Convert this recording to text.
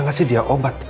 ngasih dia obat